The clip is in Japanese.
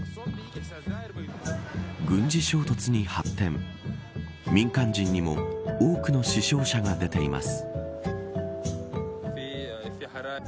軍事衝突に発展民間人にも多くの死傷者が出ています。